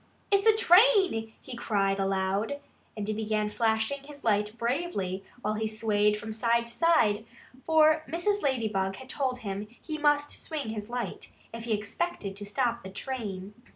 "It's a train!" he cried aloud. And he began flashing his light bravely while he swayed from side to side, for Mrs. Ladybug had told him that he must swing his light if he expected to stop the train.